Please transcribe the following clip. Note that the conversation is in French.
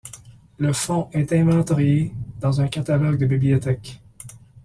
Le fonds est inventorié dans un catalogue de bibliothèque.